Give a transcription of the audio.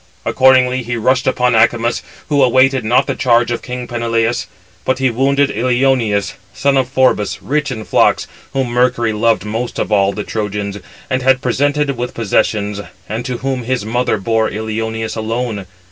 Accordingly he rushed upon Acamas, who awaited not the charge of king Peneleus; but he wounded Ilioneus, son of Phorbas, rich in flocks, whom Mercury loved most of all the Trojans, and had presented with possessions; and to whom his mother bore Ilioneus alone.